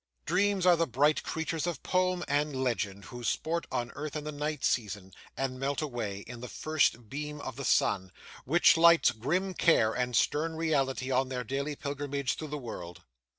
Dreams are the bright creatures of poem and legend, who sport on earth in the night season, and melt away in the first beam of the sun, which lights grim care and stern reality on their daily pilgrimage through the world.